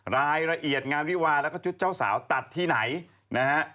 รายละเอียดงานวิวาแล้วก็ชุดเจ้าสาวตัดที่ไหนนะฮะ